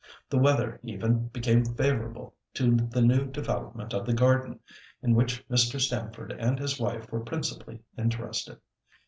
The weather even became favourable to the new development of the garden, in which Mr. Stamford and his wife were principally interested.